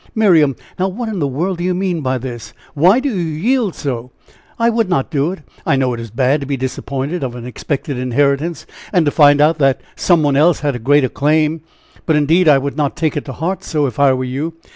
"Miriam! now what in the world do you mean by this? Why do you yield so? I would not do it. I know it is bad to be disappointed of an expected inheritance, and to find out that some one else has a greater claim, but, indeed, I would not take it to heart so, if I were you.